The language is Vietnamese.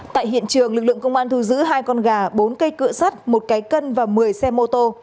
tại hiện trường lực lượng công an thu giữ hai con gà bốn cây cựa sắt một cái cân và một mươi xe mô tô